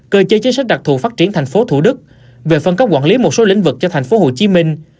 cơ chế chính sách đặc thù phát triển thành phố thủ đức về phân cấp quản lý một số lĩnh vực cho thành phố hồ chí minh